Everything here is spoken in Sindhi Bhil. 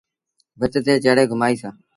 ڀت تي چڙهي گھمآسيٚݩ۔